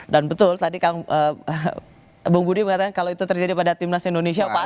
betul tadi bung budi mengatakan kalau itu terjadi pada timnas indonesia